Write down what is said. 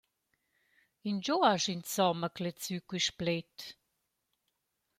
Ingio hast insomma clet sü quist pled?